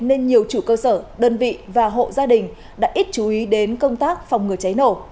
nên nhiều chủ cơ sở đơn vị và hộ gia đình đã ít chú ý đến công tác phòng ngừa cháy nổ